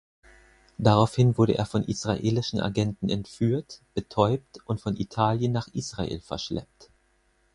Daraufhin wurde er von israelischen Agenten entführt, betäubt und von Italien nach Israel verschleppt.